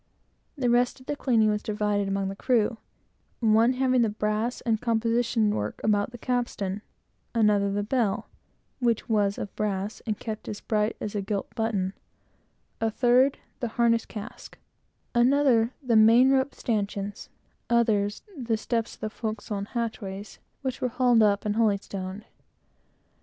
The rest of the cleaning was divided among the crew; one having the brass and composition work about the capstan; another the bell, which was of brass, and kept as bright as a gilt button; a third, the harness cask; another, the man rope stanchions; others, the steps of the forecastle and hatchways, which were hauled up and holystoned.